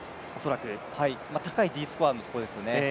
高いＤスコアのところですね